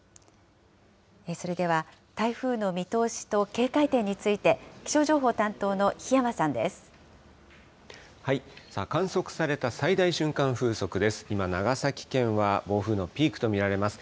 それでは、台風の見通しと警戒点について、気象情報担当の檜山さんです。